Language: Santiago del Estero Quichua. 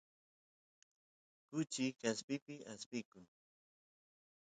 kuchi kaspipi aspiykun